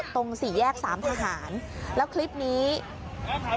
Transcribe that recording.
ตรงสี่แยกสามทหารแล้วคลิปนี้ครับค่ะ